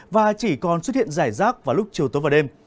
và chỉ còn xuất hiện rải rác vào lúc chiều tối và đêm